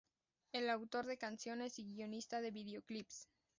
Es autor de canciones y guionista de videoclips.